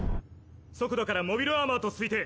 速度からモビルアーマーと推定。